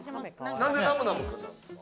なんでナムナム君なんですか？